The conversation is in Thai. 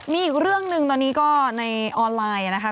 มีอีกเรื่องหนึ่งตอนนี้ก็ในออนไลน์นะคะ